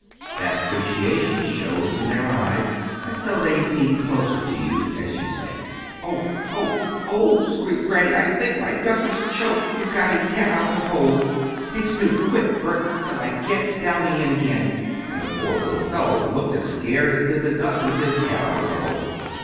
That appreciation shows in their eyes, and so they seem closer to you, as you say." "Oh! oh! oh!" screamed Freddie, "I think my duck is choked. He's got his head out the hole. Take Snoop, quick, Bert, till I get Downy in again," and the poor little fellow looked as scared as did the duck with his "head out of the hole."